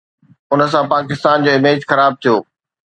ان سان پاڪستان جو اميج خراب ٿيو.